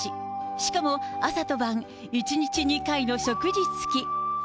しかも、朝と晩、１日２回の食事付き。